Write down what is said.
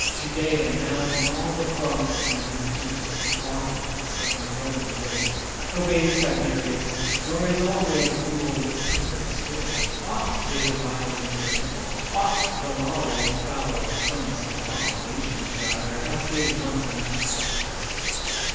Judaea now and all the Promised Land, Reduced a province under Roman yoke, Obeys Tiberius, nor is always ruled With temperate sway: oft have they violated 160 The Temple, oft the Law, with foul affronts, Abominations rather, as did once Antiochus.